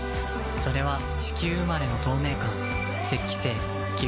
それは地球生まれの透明感